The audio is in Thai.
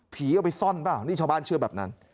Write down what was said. เอาไปซ่อนเปล่านี่ชาวบ้านเชื่อแบบนั้น